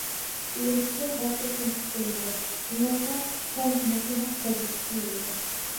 بىلىمسىزگە ھەق سۆز تەمسىز بىلىنىدۇ، ئۇنىڭغا پەند- نەسىھەت پايدىسىز تۇيۇلىدۇ.